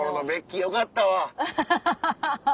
アハハハ。